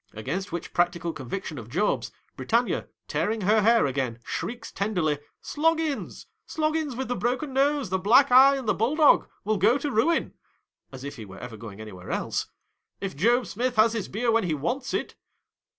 Against which practical conviction of Job's, Britannia, tearing her hair again, shrieks ten derly, " Sloggins ! Sloggins with the broken nose, the black eye, and the bulldog, will go to ruin," — as if he were ever going anywhere else !—" if Job Smith has his beer when he wants it."